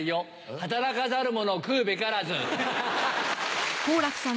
働かざる者食うべからず。